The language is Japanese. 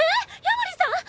夜守さん！？